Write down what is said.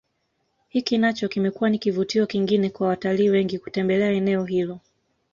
Hiki nacho kimekuwa ni kivutio kingine kwa watalii wengi kutembelea eneo hilo